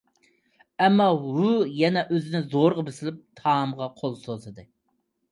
ئەمما ھۈ يەنە ئۆزىنى زورىغا بېسىۋېلىپ تائامغا قول سوزدى.